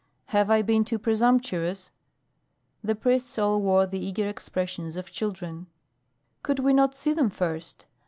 Have I been too presumptuous?" The priests all wore the eager expressions of children. "Could we not see them first?"